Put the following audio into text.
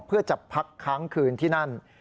เพื่อจะพักค้างคืนที่นั่น